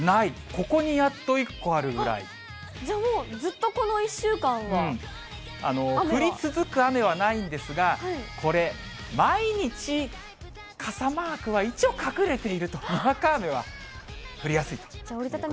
ここにやっと１個あるじゃあもう、降り続く雨はないんですが、これ、毎日、傘マークは一応、隠れていると、にわか雨は降りやすいと。